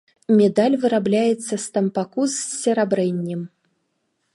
Медаль вырабляецца з тампаку з серабрэннем.